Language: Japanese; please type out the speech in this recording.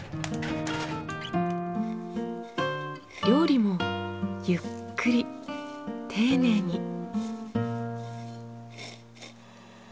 料理もゆっくり丁寧に。